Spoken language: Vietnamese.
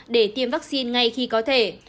để tiêm vaccine ngay khi có thể